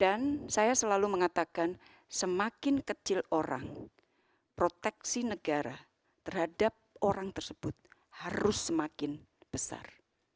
dan saya selalu mengatakan semakin kecil orang proteksi negara terhadap orang tersebut harus semakin besar